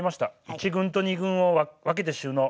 １軍と２軍を分けて収納。